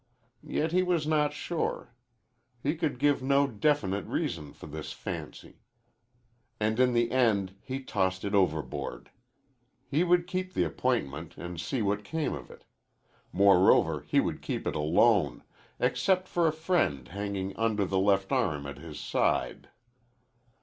Yet he was not sure. He could give no definite reason for this fancy. And in the end he tossed it overboard. He would keep the appointment and see what came of it. Moreover, he would keep it alone except for a friend hanging under the left arm at his side.